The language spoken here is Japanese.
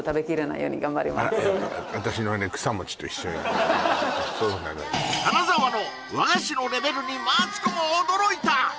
こんな金沢の和菓子のレベルにマツコも驚いた！